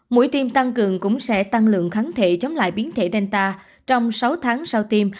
mũi tim tăng cường cũng sẽ tăng lượng kháng thể chống lại biến thể delta trong sáu tháng sau tim